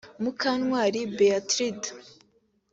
Mukantwari Berthilde